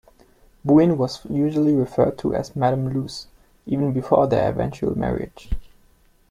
Bouin was usually referred to as "Madame Luce", even before their eventual marriage.